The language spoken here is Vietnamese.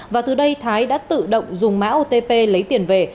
và từ đây thái đã tự động dùng mã otp lấy tiền về